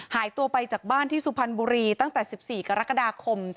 หายตัวไปจากบ้านที่สุพรรณบุรีตั้งแต่๑๔กรกฎาคม